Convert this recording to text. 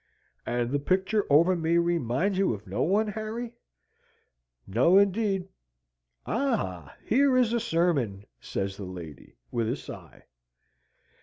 "And the picture over me reminds you of no one, Harry?" "No, indeed." "Ah! Here is a sermon!" says the lady, with a sigh.